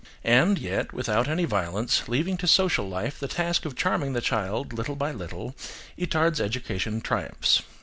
And, yet, without any violence, leaving to social life the task of charming the child little by little, Itard's education triumphs.